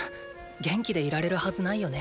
元気でいられるはずないよね。？